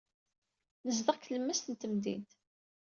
Nezdeɣ deg tlemmast n temdint.